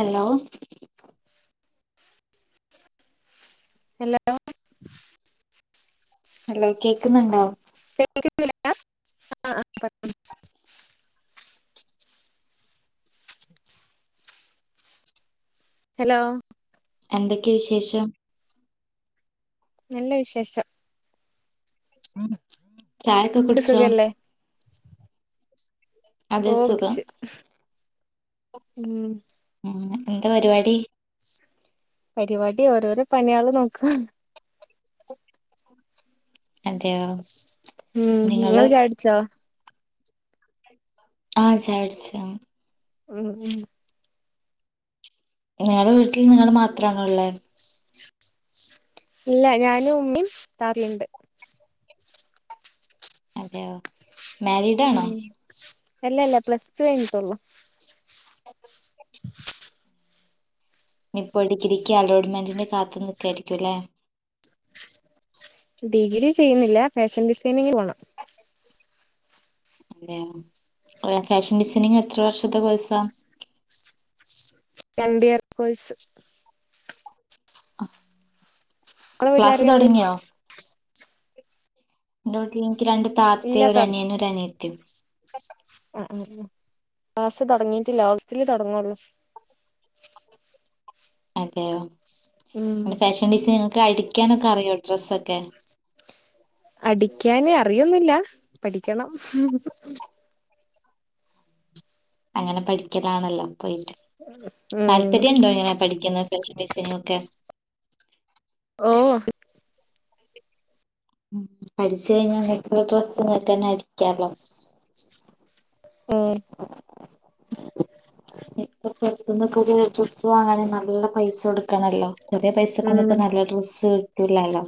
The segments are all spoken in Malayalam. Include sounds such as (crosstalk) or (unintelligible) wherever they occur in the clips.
അലോ അലോ ഹലോ കേക്കുന്നുണ്ടാവ നിക്ക്ആ ആ കൊയപ്പല്ല അലോ എന്തൊക്കെവിശേഷം നല്ലെവിശേഷം ഉ ചായൊക്കെ നിനക്ക് കുടിച്ചോ സുഖല്ലേ ഓ കുട്ച് ഉ എന്ത പരിപാടി പരിപാടിഓരോരോ പണിയള് നോക്ക അതെ ഒ ഉം ഇങ്ങള്ചായട്ച്ചോ ആ ചായട് ച്ചാം ഉം ഉ ഇങ്ങളെ വീട്ടിൽ ഇങ്ങള് മാത്റണേ ള്ളേ ഇല്ല ഞാനും ഉമ്മയും താറിയുണ്ട് അദ്യോ മാരിടാണോ ഉം അല്ല അല്ല പ്ലസ് ടു കഴിഞ്ഞിട്ടൊള്ളു ഉ ഇനിപ്പോൊ ഡിഗ്രിക്ക് അലോട്ട്മെന്റിന്കാത്ത് നിക്കായിരിക്കും ല ഡിഗ്രി ചെയ്ന്നില്ല േഫഷൻ ഡിസൈനി ങ്ങ് ന്പോണം തെ ഫാഷൻ ഡിസൈനിങ് എത്ര വർഷത്തെ കോയ്സാ എൻ ഡി ആർ പോയിസ് നിങ്ങളെ ക്ലാസ്സ് വീട്ടിലാരൊക്കെയുണ്ട് തുടങ്ങിയോ (unintelligible) നിക്ക് രണ്ട് ഇല്ല താത്തീം ഒരു തൊട അനിയനും ഒരു അനിയത്തി ആ ആ ക്ലാസ്സ് തൊടങ്ങീട്ടില്ല ഓഗസ്റ്റിലെ തൊടങ്ങള്ളൂ അതെയോ ഉം ഫാഷൻ ഡിസൈനൊക്ക അടിക്കാനൊക്കെ അറിയോ ഡ്രസ്സൊക്കെ അടിക്കാന് അറിയൊന്നൂല്ല പഠിക്കണം ഹ് മ് അങ്ങനെ പഠിക്കലാണല്ലോ പോയിട്ട് ഉം താല്പര്യംണ്ടോ ഇങ്ങനെ പഠിക്കുന്നത് ഫാഷൻ ഡിസൈനിങ് ഒക്കെ ഓ പഠിച്ച് കഴിഞ്ഞാ വീട്ടീന്ന് ഡ്രസ്സ് ഇങ്ങക്കെന്നെ അടിക്കാല്ലോ മ് ഇപ്പ പൊറത്തന്നൊക്കെ ഡ്രസ്സ് വാങ്ങണെ നല്ല പൈസ കൊടുക്ക ണല്ലോ ചെറിയ പൈസക്കൊന്നും ഉം ഇപ്പോ നല്ല ഡ്രസ്സ് കിട്ടൂല്ലല്ലോ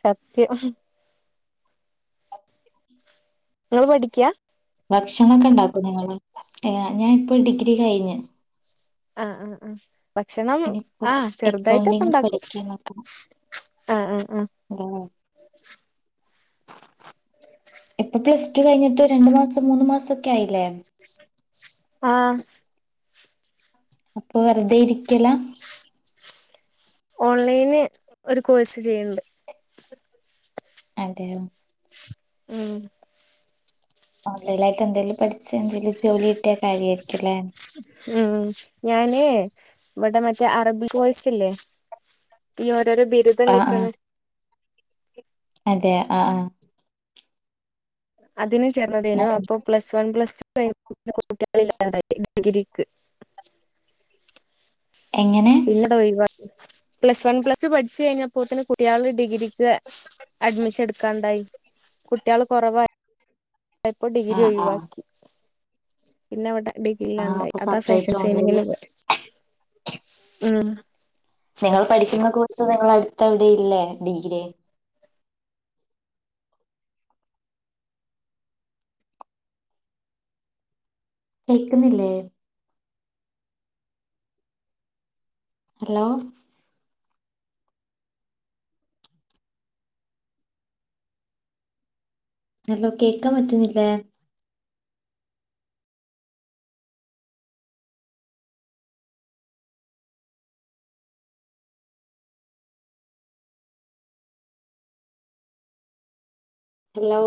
സത്യം ഹ് മ് ഇങ്ങള് പഠിക്കാ ഭക്ഷണൊക്കെ ഉണ്ടാക്കോ നിങ്ങള് ഏ ആ ഞാൻ ഇപ്പോ ഡിഗ്രി കയിഞ്ഞ് ആഹ് ആഹ് ആ ഭക്ഷണം ഇനിയിപ്പോ ആ ചെറുതായിട്ടൊക്കെ ഉണ്ടാക്കും ആ ആ ആ ഉം ഇപ്പൊ പ്ലസ് ടു കഴിഞ്ഞിട്ട് രണ്ടു മാസം മൂന്ന് മാസൊക്കെ ആയില്ലേ ആഹ് അപ്പൊ വെറുതെ ഇരിക്കലാ ഓൺലൈന് ഒരു കോഴ്സ് ചെയ്യണ് ണ്ട് ആദേയൊ ഉം ഓൺലൈലായിട്ട് എന്തേലും പഠിച്ച് എന്തേലും ജോലി കാര്യായിരിക്കുംല്ലേ ഉം ഞാന് ഇവിടെ മറ്റേ അറബി കോഴ്‌സില്ലേ ഈ ഓരോരോ ബിരുദം ആഹ് കിട്ടണ ആഹ് അതെ ആഹ് ആഹ് അതിനും ചേർന്നതേനു അപ്പോ plus one plus two (inaudible) degree ക്ക്‌ എങ്ങനെ പിന്നത് ഒയിവാക്കി പ്ലസ് വൺ പ്ലസ് ടു പഠിച്ചു കഴിഞ്ഞപ്പോത്തിന് കുട്ട്യാള് ഡിഗ്രിക്ക് ത് അഡ്മിഷൻ ഇടുക്കാണ്ടായി കുട്ട്യാള് കൊറവായി ല്ല ഇപ്പോ ഡിഗ്രി ആഹ് ആഹ് ഒയിവാക്കി പിന്നെവിടെ ആഹ് ഡിഗ്രിയിലാണ്ടായി അപ്പൊ അതാ ഫാഷൻ സെപ്പറേറ്റ് ഓൺലൈനില് ഡിസൈനിങ്ങിന് പോയി മ് നിങ്ങൾ പഠിക്കുന്ന കോ നിങ്ങളടുത്തവിടെയില്ലേ ഡിഗ്രി കേക്കുന്നില്ലേ ഹലോ ഹലോ കേക്കാൻ പറ്റുന്നില്ലേ ഹലോ